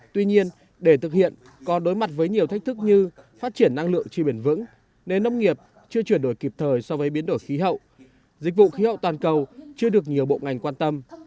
tuy nhiên để thực hiện còn đối mặt với nhiều thách thức như phát triển năng lượng trì bền vững nền nông nghiệp chưa chuyển đổi kịp thời so với biến đổi khí hậu dịch vụ khí hậu toàn cầu chưa được nhiều bộ ngành quan tâm